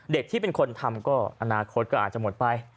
ที่เป็นคนทำก็อนาคตก็อาจจะหมดไป